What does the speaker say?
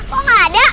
kok gak ada